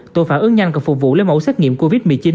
tổ phạm ứng nhanh còn phục vụ lấy mẫu xét nghiệm covid một mươi chín